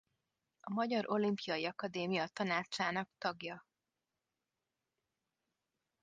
A Magyar Olimpiai Akadémia Tanácsának tagja.